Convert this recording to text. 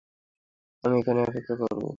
আমি এখানেই অপেক্ষা করব।